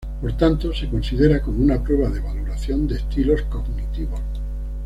Por tanto, se considera como una prueba de valoración de estilos cognitivos.